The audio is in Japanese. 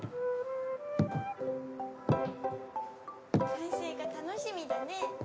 ・完成が楽しみだね。